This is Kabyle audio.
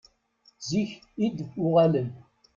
Zik i d-uɣalen.